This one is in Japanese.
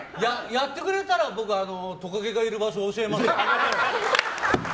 やってくれたら、僕トカゲがいる場所教えますよ。